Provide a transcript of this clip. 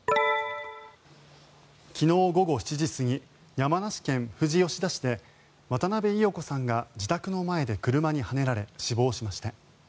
昨日午後７時過ぎ山梨県富士吉田市で渡邊いよ子さんが自宅の前ではねられ、死亡しました。